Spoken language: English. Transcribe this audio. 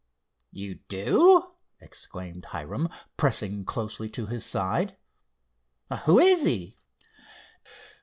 "You do!" exclaimed Hiram, pressing closely to his side. "Who is he?"